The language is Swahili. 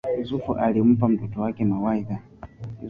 Yusuf alimpa mtoto wake mawaidha